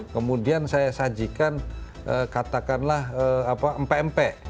kemudian saya sajikan katakanlah empe empe